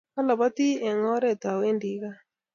Alabati eng oret awendi gaa